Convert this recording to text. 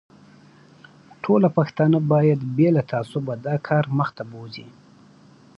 ټوله پښتانه باید بې له تعصبه دا کار مخ ته بوزي.